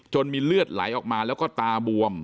มีเลือดไหลออกมาแล้วก็ตาบวม